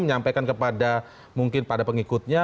menyampaikan mungkin kepada pengikutnya